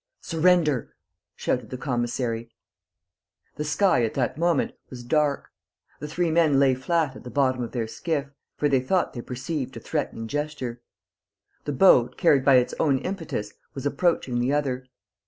"Surrender!" shouted the commissary. The sky, at that moment, was dark. The three men lay flat at the bottom of their skiff, for they thought they perceived a threatening gesture. The boat, carried by its own impetus, was approaching the other.